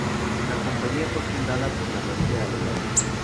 La compañía fue fundada por la marina alemana.